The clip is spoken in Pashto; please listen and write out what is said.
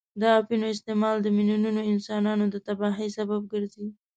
د اپینو استعمال د میلیونونو انسانان د تباهۍ سبب ګرځي.